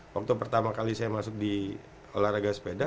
waktu pertama kali saya masuk di olahraga sepeda